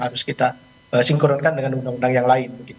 harus kita sinkronkan dengan undang undang yang lain